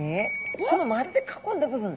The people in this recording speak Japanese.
この○で囲んだ部分。